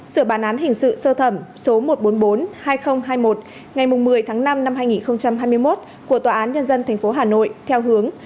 sửa bản án hình sự sơ thẩm số một trăm bốn mươi bốn hai nghìn hai mươi một ngày một mươi tháng năm năm hai nghìn hai mươi một của tòa án nhân dân tp hà nội theo hướng